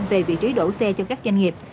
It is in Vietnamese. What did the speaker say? về vị trí đậu xe cho các doanh nghiệp